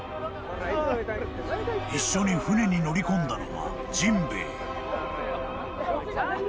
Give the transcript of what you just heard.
［一緒に船に乗り込んだのは］